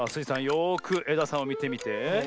よくえださんをみてみて。